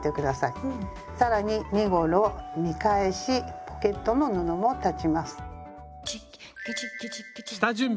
更に身ごろ見返しポケットの布も裁ちます。